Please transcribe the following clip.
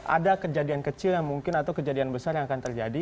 ada kejadian kecil yang mungkin atau kejadian besar yang akan terjadi